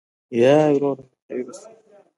وژنه د سترګو خوب ورولي